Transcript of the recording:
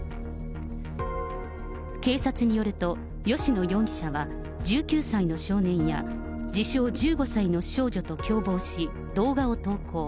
警察によると、吉野容疑者は１９歳の少年や自称１５歳の少女と共謀し、動画を投稿。